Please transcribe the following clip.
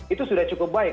itu sudah cukup baik